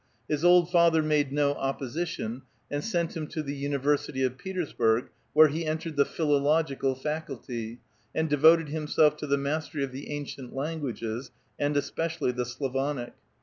His old father made no opposition, and sent him to the University of Petersburg, where he entered the philological faculty, and devoted him self to the mastery of the ancient languages, and especially the Slavonic.